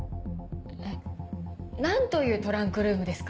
何というトランクルームですか？